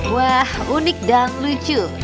wah unik dan lucu